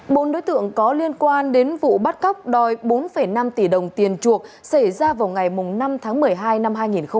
bốn đối tượng có liên quan đến vụ bắt cóc đòi bốn năm tỷ đồng tiền chuộc xảy ra vào ngày năm tháng một mươi hai năm hai nghìn hai mươi